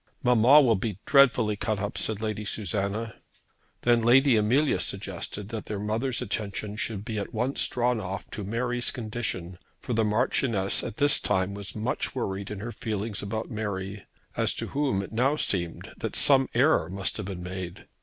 "Mamma will be dreadfully cut up," said Lady Susanna. Then Lady Amelia suggested that their mother's attention should be at once drawn off to Mary's condition, for the Marchioness at this time was much worried in her feelings about Mary, as to whom it now seemed that some error must have been made.